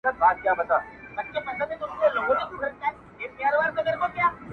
چي په تش ګومان مي خلک کړولي؛